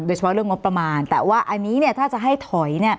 โดยเฉพาะเรื่องงบประมาณแต่ว่าอันนี้ถ้าจะให้ถอย